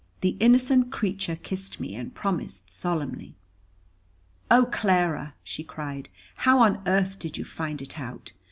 The innocent creature kissed me, and promised solemnly. "Oh, Clara," she cried, "how on earth did you find it out?